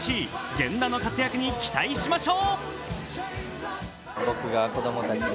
源田の活躍に期待しましょう。